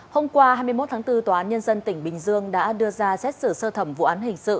hôm qua hai mươi một tháng bốn tòa án nhân dân tỉnh bình dương đã đưa ra xét xử sơ thẩm vụ án hình sự